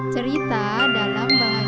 cerita dalam bahasa indonesia